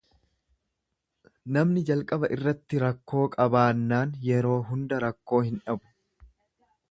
Namni jalqaba irratti rakkoo qabaannaan yeroo hunda rakkoo hin dhabu.